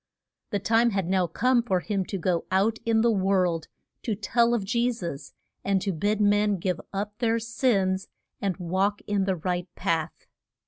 The time had now come for him to go out in the world to tell of Je sus, and to bid men give up their sins and walk in the right path.